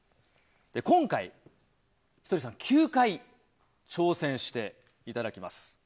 今回、ひとりさん９回挑戦していただきます。